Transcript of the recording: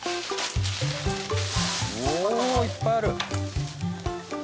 おおいっぱいある。